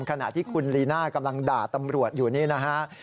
ขณะที่คุณลีน่ากำลังด่าตำรวจอยู่นี่นะฮะ